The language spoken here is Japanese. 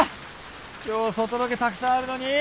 今日外ロケたくさんあるのに！